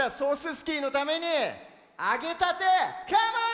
スキーのためにあげたてカモーン！